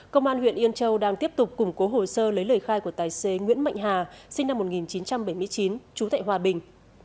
công an huyện yên châu đang tiếp tục củng cố hồ sơ lấy lời khai của tài xế nguyễn mạnh hà sinh năm một nghìn chín trăm bảy mươi chín trú tại hòa bình